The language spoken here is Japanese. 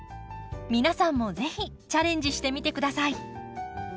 皆さんも是非チャンレンジしてみて下さい。